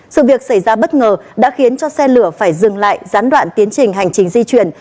sự việc xảy ra bất ngờ đã khiến cho xe lửa phải dừng lại gián đoạn tiến trình hành trình di chuyển